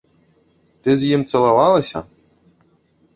Ты з ім цалавалася?